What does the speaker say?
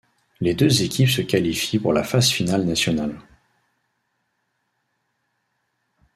Les deux équipes se qualifient pour la phase finale nationale.